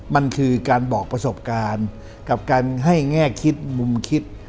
มันคือการบอกประสบการณ์กับการให้แง่คิดมุมคิด